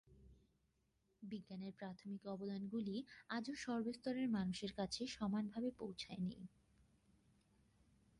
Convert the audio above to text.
বিজ্ঞানের প্রাথমিক অবদানগুলি আজও সর্বস্তরের মানুষের কাছে সমান ভাবে পৌঁছায়নি।